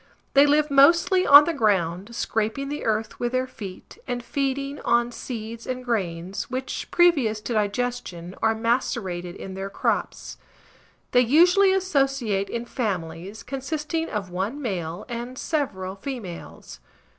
They live mostly on the ground, scraping the earth with their feet, and feeding on seeds and grains, which, previous to digestion, are macerated in their crops. They usually associate in families, consisting of one male and several females.